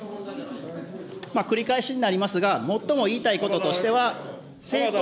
繰り返しになりますが、最も言いたいこととしては政党法。